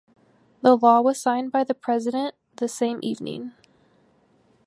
The law was signed by the President the same evening.